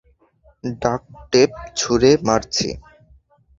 Duct tape, ছুঁড়ে মারছি!